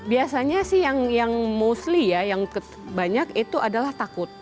biasanya sih yang mostly ya yang banyak itu adalah takut